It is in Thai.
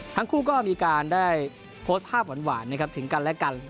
ทั้งคู่ก็มีการได้โพสต์ภาพหวานนะครับถึงกันและกัน